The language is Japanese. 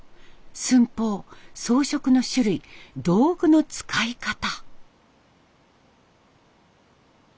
寸法装飾の種類道具の使い方。